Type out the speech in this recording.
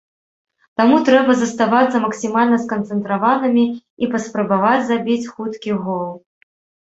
Таму трэба заставацца максімальна сканцэнтраванымі і паспрабаваць забіць хуткі гол.